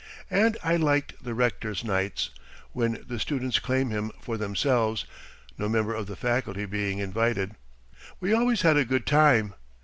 And I liked the Rector's nights, when the students claim him for themselves, no member of the faculty being invited. We always had a good time.